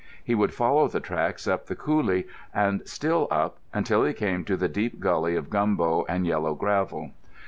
He would follow the tracks up the coolie, and still up, until he came to the deep gully of gumbo and yellow gravel.